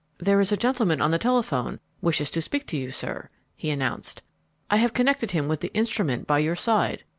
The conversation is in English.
"There is a gentleman on the telephone wishes to speak to you, sir," he announced. "I have connected him with the instrument by your side."